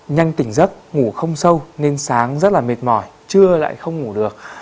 nhanh tỉnh giấc ngủ không sâu nên sáng rất là mệt mỏi chưa lại không ngủ được